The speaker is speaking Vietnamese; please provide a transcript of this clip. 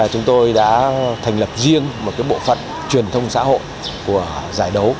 chúng tôi đã thành lập riêng một bộ phận truyền thông xã hội của giải đấu